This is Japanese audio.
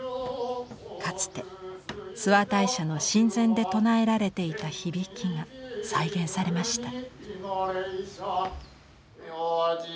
かつて諏訪大社の神前で唱えられていた響きが再現されました。